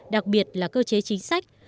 đặc biệt là cơ chế chính sách